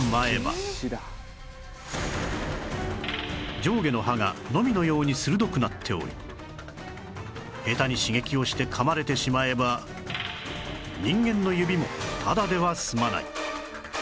上下の歯がのみのように鋭くなっており下手に刺激をして噛まれてしまえば人間の指もただでは済まない